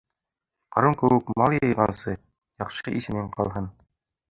Ҡарун кеүек мал йыйғансы, яҡшы исемең ҡалһын.